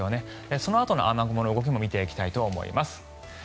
そのあとの雨雲も見ていきたいと思います。